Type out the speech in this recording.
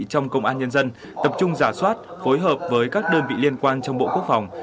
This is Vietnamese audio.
trong công an nhân dân tập trung giả soát phối hợp với các đơn vị liên quan trong bộ quốc phòng